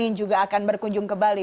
yang juga akan berkunjung ke bali